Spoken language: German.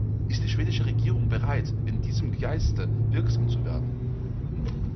Ist die schwedische Regierung bereit, in diesem Geiste wirksam zu werden?